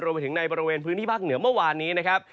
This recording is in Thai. รวมไปถึงในบริเวณพื้นที่ภาคเหนือเมื่อวานนี้นะครับ